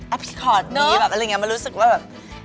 พีคอร์ตนี้แบบอะไรอย่างนี้มันรู้สึกว่าแบบ